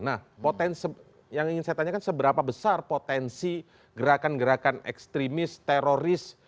nah potensi yang ingin saya tanyakan seberapa besar potensi gerakan gerakan ekstremis teroris